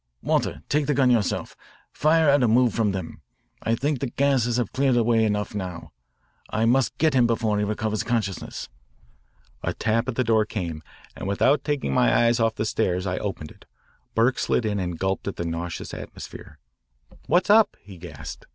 Walter, take the gun yourself. Fire at a move from them. I think the gases have cleared away enough now. I must get him before he recovers consciousness. A tap at the door came, and without taking my eyes off the stairs I opened it. Burke slid in and gulped at the nauseous atmosphere. "What's up?" he gasped.